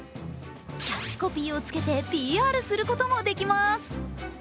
コピーをつけてＰＲすることもできます。